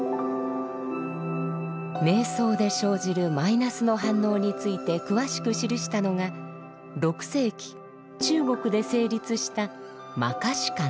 瞑想で生じるマイナスの反応について詳しく記したのが６世紀中国で成立した「摩訶止観」です。